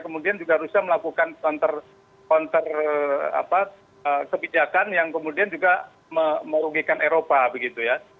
kemudian juga rusia melakukan konter kebijakan yang kemudian juga merugikan eropa begitu ya